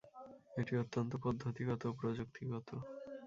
এটি অত্যন্ত পদ্ধতিগত ও প্রযুক্তিগত।